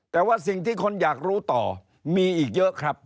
แต่ว่าสิ่งที่คนอยากรู้ต่อมีอีกเยอะครับ